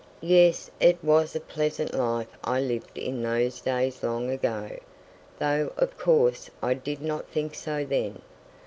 Yes, it was a very pleasant life I lived in those days long ago—though of course I did not think so then.